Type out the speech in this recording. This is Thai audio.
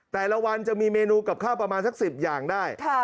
แต่ละวันจะมีเมนูกับข้าวประมาณสัก๑๐อย่างได้